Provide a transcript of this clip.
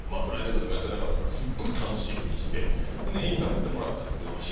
プライベートでもやってなかったからすごい楽しみにして行かせてもらったんですけど。